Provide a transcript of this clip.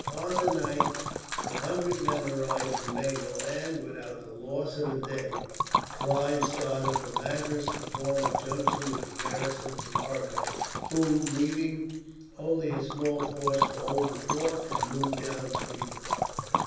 On the 9th, the hundred men arrived from Bengal, and, without the loss of a day, Clive started from Madras to form a junction with the garrison from Arcot, who, leaving only a small force to hold the fort, had moved down to meet him.